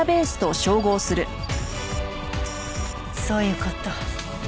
そういう事。